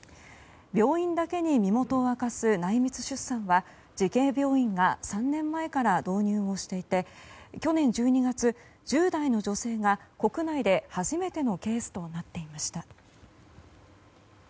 病院だけに身元を明かす内密出産は慈恵病院が３年前から導入をしていて去年１２月、１０代の女性が国内で初めてのケースとなっていました。